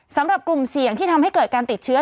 สำหรับกลุ่มเสี่ยงที่ทำให้เกิดการติดเชื้อ